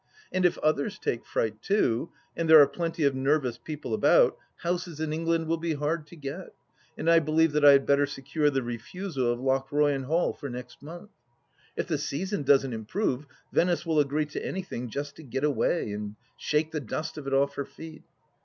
And if others take fright too, and there are plenty of nervous people about, houses in England will be hard to get, and I believe that I had better secure the refusal of Lochroyan Hall for next month. If the season doesn't improve Venice will agree to anything just to get away and shake the dust of it off her feet.